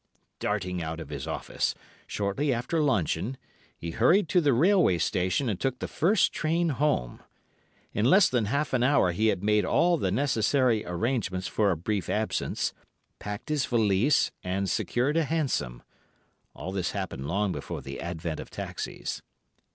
"Darting out of his office, shortly after luncheon, he hurried to the railway station and took the first train home. In less than half an hour he had made all the necessary arrangements for a brief absence, packed his valise and secured a hansom. (All this happened long before the advent of taxis.)